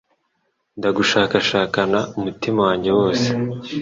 Ndagushakashakana umutima wanjye wose